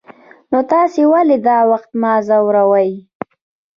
نو تاسې ولې دا وخت ما ځوروئ.